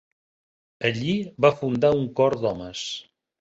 Allí va fundar un cor d'homes.